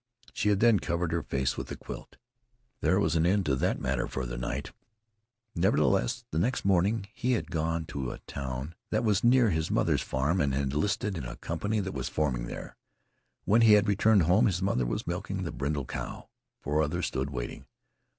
She had then covered her face with the quilt. There was an end to the matter for that night. Nevertheless, the next morning he had gone to a town that was near his mother's farm and had enlisted in a company that was forming there. When he had returned home his mother was milking the brindle cow. Four others stood waiting.